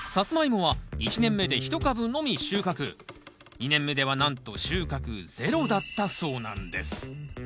２年目ではなんと収穫ゼロだったそうなんです。